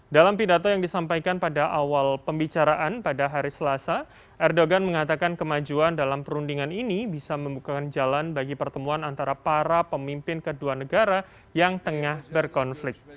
dalam pidato yang disampaikan pada awal pembicaraan pada hari selasa erdogan mengatakan kemajuan dalam perundingan ini bisa membuka jalan bagi pertemuan antara para pemimpin kedua negara yang tengah berkonflik